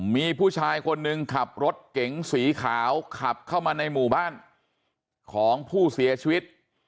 มีผู้ชายคนหนึ่งขับรถเก๋งสีขาวขับเข้ามาในหมู่บ้านของผู้เสียชีวิต